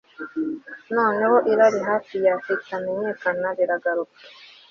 noneho irari hafi ya ritamenyekana iragaruka